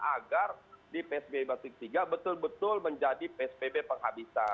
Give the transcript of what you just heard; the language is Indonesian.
agar di psbb batik tiga betul betul menjadi psbb penghabisan